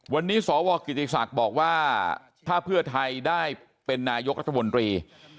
วันนี้สวกิติศักดิ์บอกว่าถ้าเพื่อไทยได้เป็นนายกรัฐมนตรี